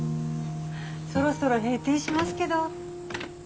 そろそろ閉店しますけど。